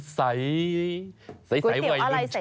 ก๋วยเทียวอะไรใส